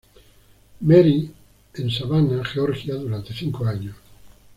Mary y en Savannah, Georgia, durante cinco años.